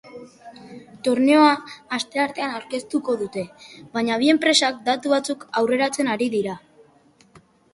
Torneoa astearteanaurkeztuko dute, baina bi enpresak datu batzuk aurreratzen ari dira.